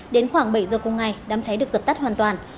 đến khoảng bảy giờ cùng ngày đám cháy được dập tắt hoàn toàn